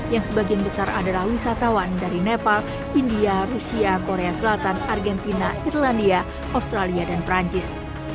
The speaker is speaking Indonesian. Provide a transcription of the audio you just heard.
yang sebagian besar adalah wisatawan dari nepal india rusia korea selatan argentina irlandia australia dan perancis